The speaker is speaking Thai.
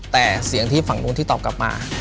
แต่เสียงที่ฝั่งนู้นที่ตอบกลับมา